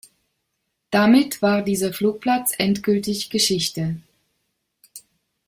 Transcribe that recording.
Damit war dieser Flugplatz endgültig Geschichte.